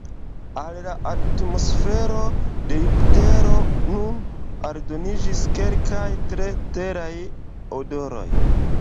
Al la atmosfero de Jupitero nun aldoniĝis kelkaj tre Teraj odoroj.